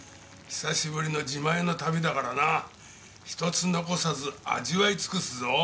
久しぶりの自前の旅だからな一つ残さず味わい尽くすぞ。